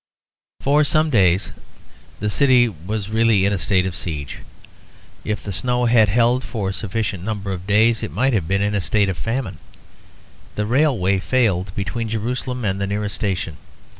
For some days the city was really in a state of siege. If the snow had held for a sufficient number of days it might have been in a state of famine. The railway failed between Jerusalem and the nearest station.